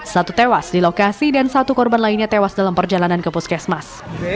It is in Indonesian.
satu tewas di lokasi dan satu korban lainnya tewas dalam perjalanan ke puskesmas